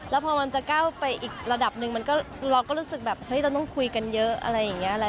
แล้วพอมันจะก้าวไปอีกระดับหนึ่งเราก็รู้สึกแบบเฮ้ยเราต้องคุยกันเยอะอะไรอย่างนี้